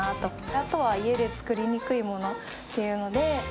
あとは家で作りにくいものっていうので。